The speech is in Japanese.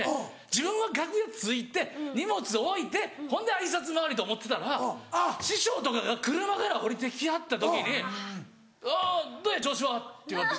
自分が楽屋着いて荷物置いてほんで挨拶回りと思ってたら師匠とかが車から降りてきはった時に「あぁどうや？調子は」って言われて。